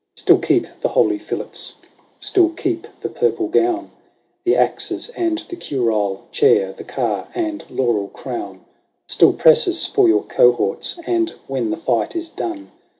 Still keep the holy fillets ; still keep the purple gown, The axes, and the curule chair, the car, and laurel crown : Still press us for your cohorts, and, when the fight is done.